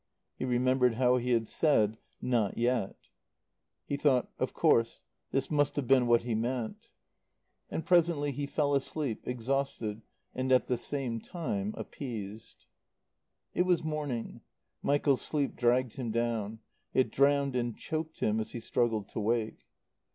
He remembered how he had said, "Not yet." He thought: "Of course; this must have been what he meant." And presently he fell asleep, exhausted and at the same time appeased. It was morning. Michael's sleep dragged him down; it drowned and choked him as he struggled to wake.